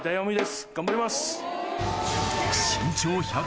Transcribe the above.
頑張ります！